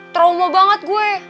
trauma banget gue